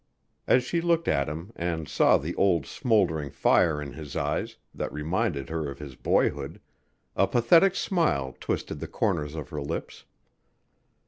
As she looked at him and saw the old smoldering fire in his eyes that reminded her of his boyhood, a pathetic smile twisted the corners of her lips.